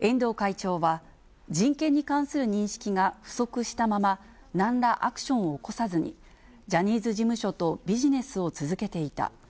遠藤会長は、人権に関する認識が不足したまま、何らアクションを起こさずに、ジャニーズ事務所とビジネスを続けていた。